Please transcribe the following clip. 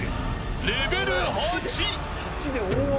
レベル８。